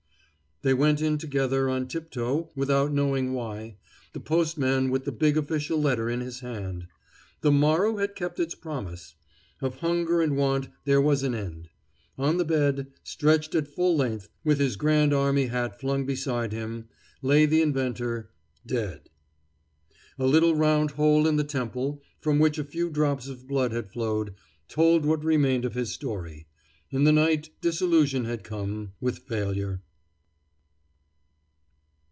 They went in together on tiptoe without knowing why, the postman with the big official letter in his hand. The morrow had kept its promise. Of hunger and want there was an end. On the bed, stretched at full length, with his Grand Army hat flung beside him, lay the inventor, dead. A little round hole in the temple, from which a few drops of blood had flowed, told what remained of his story. In the night disillusion had come, with failure.